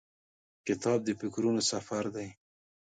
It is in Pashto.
کتاب د فکرونو سفر دی.